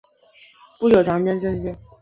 不久加征西将军。